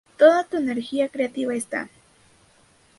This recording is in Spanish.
Toda tu energía creativa está.